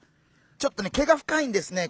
ちょっとね毛が深いんですね